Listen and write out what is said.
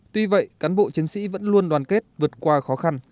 tuy vậy cán bộ chiến sĩ vẫn luôn đoàn kết vượt qua khó khăn